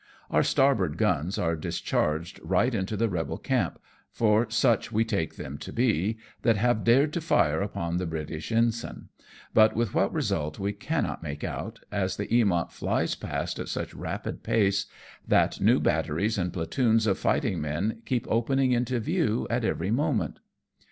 Our starboard guns are discharged right into the rebel camp, for such we take them to be, that have dared to fire upon the British ensign, but with what result we cannot make out, as the Eamont flies past at such rapid pace, that new batteries and platoons of fighting men keep opening into view at every moment.